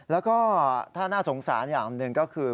แล้วก็ถ้าน่าสงสารอย่างหนึ่งก็คือ